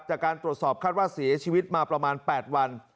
จากการตรวจสอบคาดว่าเสียชีวิตมาประมาณ๘วัน